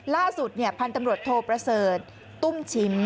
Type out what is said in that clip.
ล่าสุดเนี่ยพันธุ์ตำรวจโทประเศิร์ตตุ้มฉิม